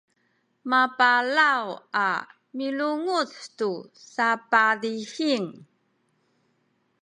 mapalaw a milunguc tu sapadihing